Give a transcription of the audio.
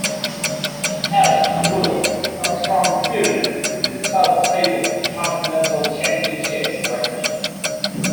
As "The Bullet", Armstrong feuded with the Stud Stable in Continental Championship Wrestling.